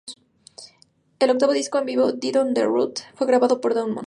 El octavo disco en vivo, "Death on the road", fue grabado en Dortmund.